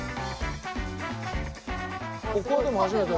ここはでも初めて。